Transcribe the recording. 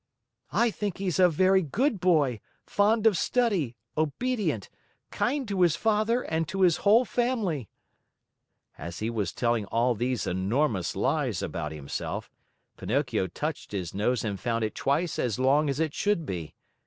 "I think he's a very good boy, fond of study, obedient, kind to his Father, and to his whole family " As he was telling all these enormous lies about himself, Pinocchio touched his nose and found it twice as long as it should be.